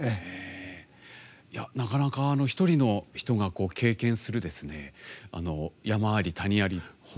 なかなか、１人の人が経験する山あり谷あり